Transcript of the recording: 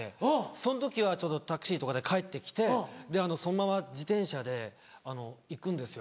その時はちょっとタクシーとかで帰って来てそのまま自転車で行くんですよ